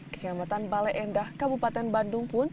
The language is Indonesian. kecamatan bale endah kabupaten bandung pun